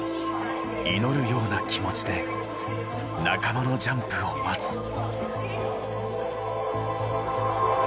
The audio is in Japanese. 祈るような気持ちで仲間のジャンプを待つ。